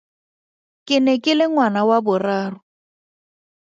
Ke ne ke le ngwana wa boraro.